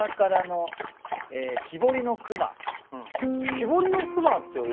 木彫りの熊って俺。